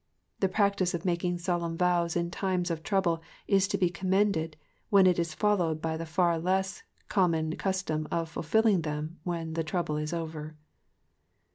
The practice of making solemn vows in times of trouble is to be commended, when it is followed by the far less common custom of fulfilling them when the trouble is over.